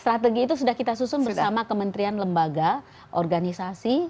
strategi itu sudah kita susun bersama kementerian lembaga organisasi